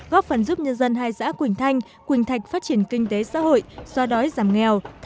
góp phần giúp nhân dân hai xã quỳnh thanh quỳnh thạch phát triển kinh tế xã hội xoa đói giảm nghèo